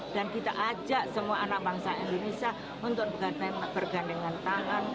dan kita ajak semua anak bangsa indonesia untuk bergandengan tangan